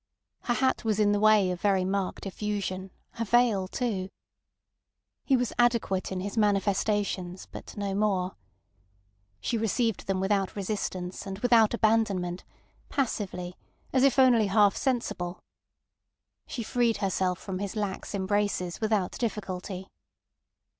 Her hat was in the way of very marked effusion; her veil too. He was adequate in his manifestations, but no more. She received them without resistance and without abandonment, passively, as if only half sensible. She freed herself from his lax embraces without difficulty.